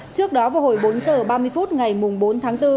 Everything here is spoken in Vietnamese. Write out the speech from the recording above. trước đó vào hồi bốn h ba mươi phút ngày bốn tháng bốn